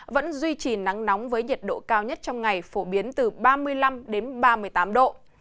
vẫn duy trì nắng nóng với nhiệt độ cao nhất trong ngày phổ biến từ ba mươi năm đến ba mươi tám độ